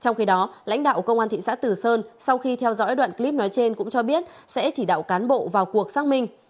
trong khi đó lãnh đạo công an thị xã tử sơn sau khi theo dõi đoạn clip nói trên cũng cho biết sẽ chỉ đạo cán bộ vào cuộc xác minh